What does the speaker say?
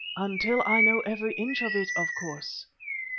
"Until I know every inch of it, of course.